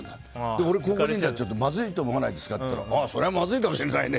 俺が高校２年だとまずいと思わないですかと言ったらそりゃまずいかもしれないね